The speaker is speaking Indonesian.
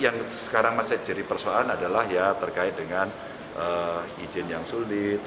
yang sekarang masih jadi persoalan adalah ya terkait dengan izin yang sulit